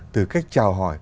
từ cách chào hỏi